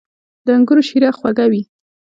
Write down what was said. • د انګورو شیره خوږه وي.